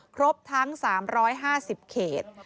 ครบทั้ง๓๕๐เขต